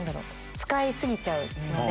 使い過ぎちゃうので。